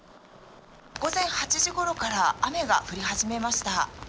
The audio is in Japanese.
午前８時ごろから、雨が降り始めました。